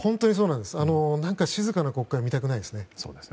静かな国会を見たくないですね。